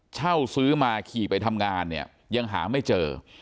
เช่าซื้อมาขี่ไปทำงานเนี่ยยังหาไม่เจอ